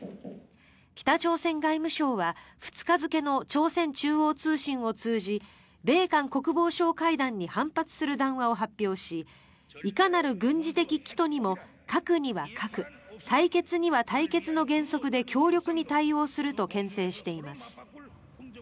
北朝鮮外務省は２日付の朝鮮中央通信を通じ米韓国防相会談に反発する談話を発表しいかなる軍事的企図にも核には核、対決には対決の原則で強力に対応するとけん制しています。